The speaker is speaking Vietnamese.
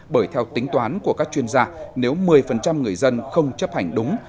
bởi theo tính toán của các chuyên gia nếu một mươi người dân không chấp hành đúng